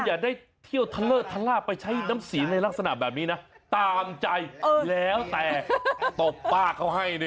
อย่าได้เที่ยวทะเลอร์ทะลาบไปใช้น้ำเสียงในลักษณะแบบนี้นะตามใจแล้วแต่ตบป้าเขาให้นะ